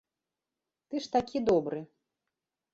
Ты ж такі добры.